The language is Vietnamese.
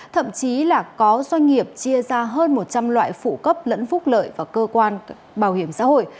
thậm chí là có doanh nghiệp chia ra hơn một trăm linh loại phụ cấp lẫn phúc lợi vào cơ quan bảo hiểm xã hội